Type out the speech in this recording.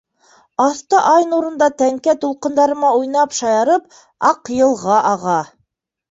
Аҫта ай нурында тәңкә-тулҡындары менән уйнап-шаярып Аҡйылға аға.